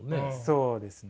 そうですね。